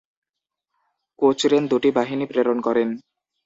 কোচরেন দু'টি বাহিনী প্রেরণ করেন।